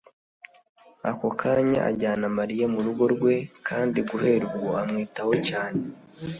Aho kanya ajyana Mariya mu rugo rwe kandi guhera ubwo amwitaho cyane.